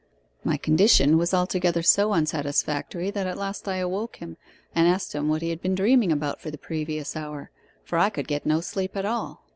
My condition was altogether so unsatisfactory that at last I awoke him, and asked him what he had been dreaming about for the previous hour, for I could get no sleep at all.